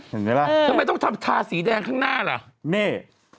เห็นไหมล่ะทำไมต้องทำทาสีแดงข้างหน้าล่ะนี่